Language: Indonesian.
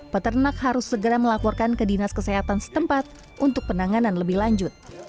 peternak harus segera melaporkan ke dinas kesehatan setempat untuk penanganan lebih lanjut